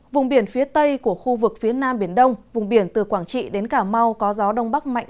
vùng biển phía tây của khu vực phía nam biển đông vùng biển từ quảng trị đến cà mau có gió đông bắc mạnh